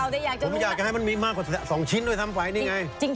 นะครัวนี้อยากให้มีมากว่าก็สองชิ้นแล้วทำไว้นี้ไง